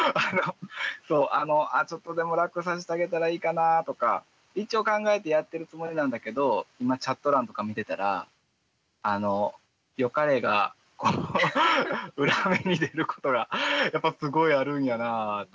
あのちょっとでも楽させてあげたらいいかなとか一応考えてやってるつもりなんだけど今チャット欄とか見てたら「よかれ」が裏目に出ることがやっぱすごいあるんやなぁと思って。